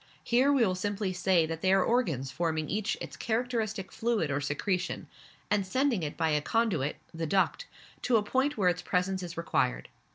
Here we will simply say that they are organs forming each its characteristic fluid or secretion, and sending it by a conduit, the duct, to the point where its presence is required.